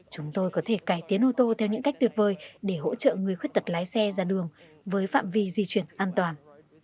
chúng tôi có thể cải tiến ô tô theo những cách tuyệt vời để hỗ trợ người khuyết tật lái xe ra đường với phạm vi di chuyển an toàn